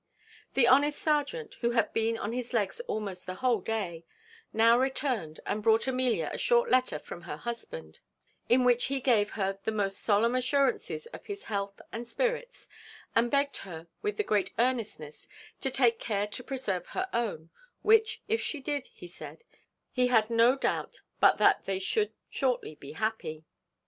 The honest serjeant, who had been on his legs almost the whole day, now returned, and brought Amelia a short letter from her husband, in which he gave her the most solemn assurances of his health and spirits, and begged her with great earnestness to take care to preserve her own, which if she did, he said, he had no doubt but that they should shortly be happy.